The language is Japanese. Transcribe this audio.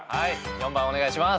４番お願いします。